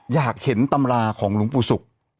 อยากเห็นตำราของหลวงปู่ศุกร์